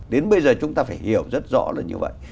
đến bây giờ chúng ta phải hiểu rất rõ là như vậy